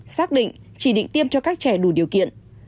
xác định chỉ định tiêm cho các trẻ đủ điều kiện